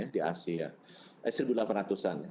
di asia eh seribu delapan ratus an ya